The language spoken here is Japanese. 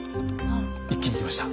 一気にいきました。